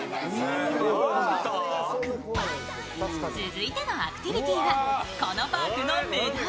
続いてのアクティビティーはこのパークの目玉